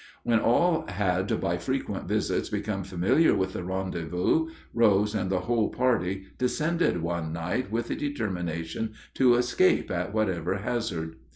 When all had by frequent visits become familiar with the rendezvous, Rose and the whole party descended one night with the determination to escape at whatever hazard.